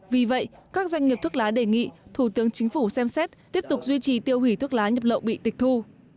vì vậy các doanh nghiệp thuốc lá đề nghị thủ tướng chính phủ xem xét tiếp tục duy trì tiêu hủy thuốc lá nhập lậu bị tịch thu